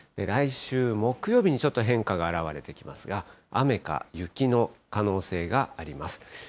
来週木曜日にちょっと変化が表れてきますが、雨か雪の可能性があります。